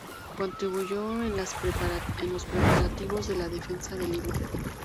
Contribuyó en los preparativos de la defensa de Lima.